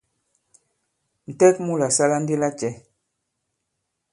Ǹtɛk mu la sala ndi lacɛ ?